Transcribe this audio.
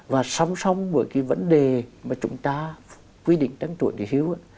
và song song với cái vấn đề mà chúng ta quy định tăng tuổi nghỉ hưu